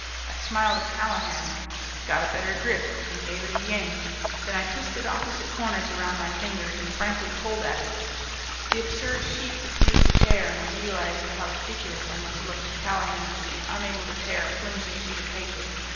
I smiled at Callahan, got a better grip, and gave it a yank. Then I twisted opposite corners around my fingers and frankly pulled at it. The absurd sheet refused to tear, and I realized how ridiculous I must look to Callahan to be unable to tear a flimsy sheet of paper.